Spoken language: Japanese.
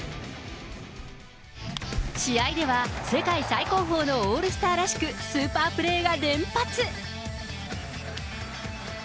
試合では、世界最高峰のオールスターらしく、スーパープレーが連発。